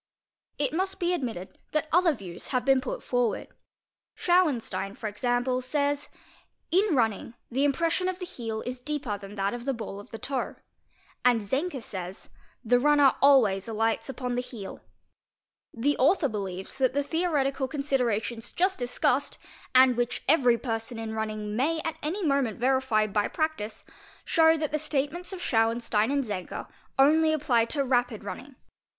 : It must be admitted that other views have been put forward. Schauen stein for example, says: '' In running the impression of the heel is deepel than that of the ba}l of the toe"; and Zenker says: 'The runner alway; alights upon the heel'. The author believes that the theoretical considera tions just discussed and which every person in running may at uD} moment verify by practice, show that the statements of Schauenstein an Zenker only apply to rapid running.